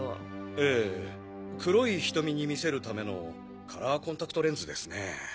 ええ黒い瞳に見せるためのカラーコンタクトレンズですね。